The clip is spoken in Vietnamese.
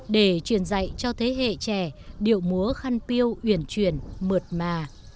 để truyền dạy cho thế hệ trẻ điệu múa khăn piêu uyển chuyển mượt mà